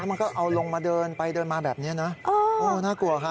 มันก็เอาลงมาเดินไปเดินมาแบบนี้นะโอ้น่ากลัวค่ะ